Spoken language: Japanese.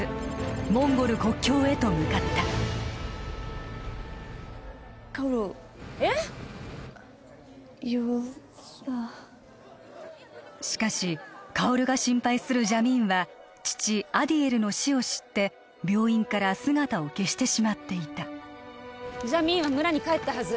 モンゴル国境へと向かったしかし薫が心配するジャミーンは父アディエルの死を知って病院から姿を消してしまっていたジャミーンは村に帰ったはず